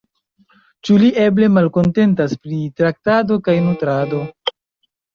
Ĉu li eble malkontentas pri traktado kaj nutrado?